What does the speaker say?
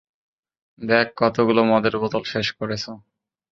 দেখ, কতগুলো মদের বোতল শেষ করেছ!